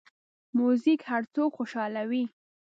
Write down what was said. موزیک هر څوک خوشحالوي.